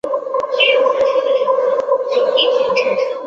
瑞士联赛杯是瑞士一项足球杯赛。